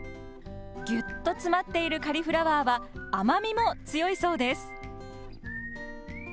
ぎゅっと詰まっているカリフラワーは甘みも強いそうです。